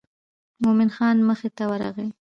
مومن خان مخې ته ورغی.